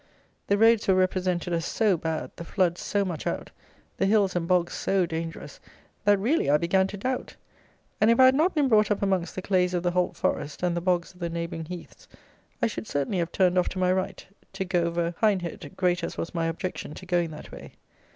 The roads were represented as so bad; the floods so much out; the hills and bogs so dangerous; that, really, I began to doubt; and, if I had not been brought up amongst the clays of the Holt Forest and the bogs of the neighbouring heaths, I should certainly have turned off to my right, to go over Hindhead, great as was my objection to going that way.